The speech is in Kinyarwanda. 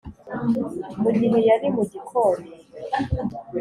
mu gihe yari mu gikoni,